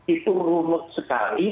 itu rumut sekali